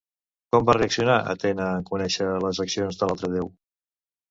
Com va reaccionar Atena en conèixer les accions de l'altre déu?